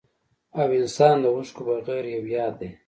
او انسان د اوښکو بغير يو ياد دی